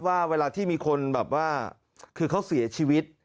ว่าเวลาที่มีคนแบบว่าคือเขาเสียชีวิต